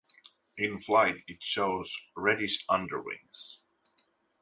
In flight it shows reddish underwings.